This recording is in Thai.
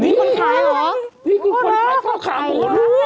มีคนขายข้าวขาหมูรู้